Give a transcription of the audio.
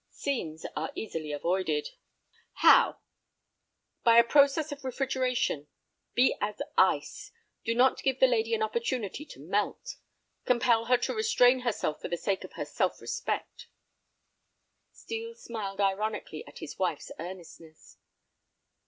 "Scenes are easily avoided." "How?" "By a process of refrigeration. Be as ice. Do not give the lady an opportunity to melt. Compel her to restrain herself for the sake of her self respect." Steel smiled ironically at his wife's earnestness.